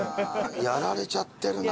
やられちゃってるな。